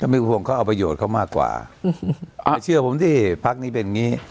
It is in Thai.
ก็ไม่กลัวผมเขาเอาประโยชน์เขามากกว่าอ่าเชื่อผมสิพักนี้เป็นงี้